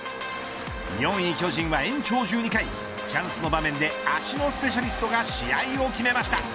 ４位巨人は、延長１２回チャンスの場面で足のスペシャリストが試合を決めました。